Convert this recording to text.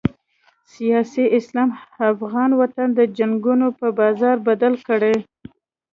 سیاسي اسلام افغان وطن د جنګونو په بازار بدل کړی.